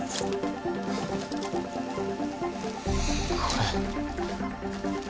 これ。